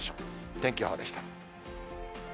天気予報でした。